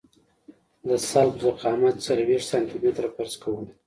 د سلب ضخامت څلوېښت سانتي متره فرض کوو